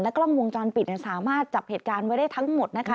กล้องวงจรปิดสามารถจับเหตุการณ์ไว้ได้ทั้งหมดนะคะ